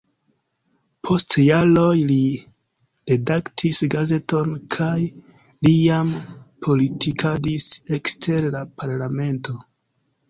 Post jaroj li redaktis gazeton kaj li jam politikadis ekster la parlamento.